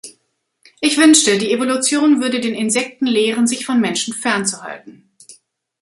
Ich wünschte, die Evolution würde den Insekten lehren, sich von Menschen fernzuhalten.